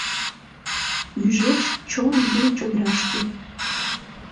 Ӱжеш чон гӱл чодырашке.